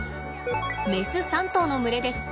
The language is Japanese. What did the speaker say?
メス３頭の群れです。